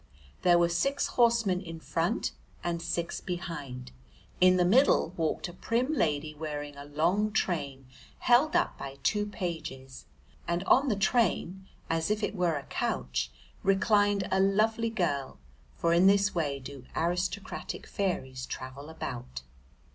There were six horsemen in front and six behind, in the middle walked a prim lady wearing a long train held up by two pages, and on the train, as if it were a couch, reclined a lovely girl, for in this way do aristocratic fairies travel about.